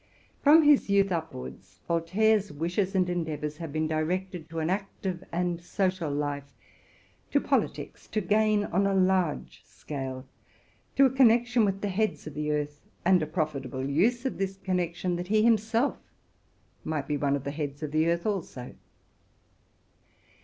From his youth upwards, Voltaire's wishes and endeavors had been directed to an active and social life, to politics, to gain on a large scale, to a connection with the heads of the earth, and a profitable use of this connection, that he him self might be one of the heads of the earth also.